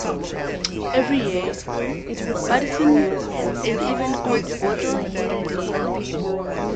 Every year, Madison has an event called Bottle Hill Day.